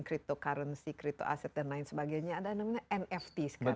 cryptocurrency crypto aset dan lain sebagainya ada namanya nft sekarang